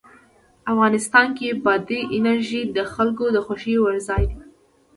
افغانستان کې بادي انرژي د خلکو د خوښې وړ ځای دی.